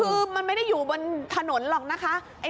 คือมันไม่ได้อยู่บนถนนหรอกนะคะ